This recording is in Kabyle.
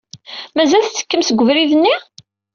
Mazal tettekkem seg ubrid-nni?